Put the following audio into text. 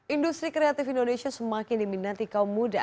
industri kreatif indonesia semakin diminati kaum muda